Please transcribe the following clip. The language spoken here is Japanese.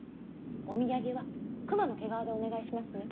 お土産は熊の毛皮でお願いしますね。